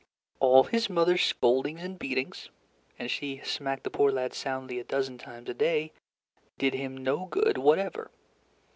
All his mother's scoldings and beatings and she smacked the poor lad soundly a dozen times a day did him no good whatever.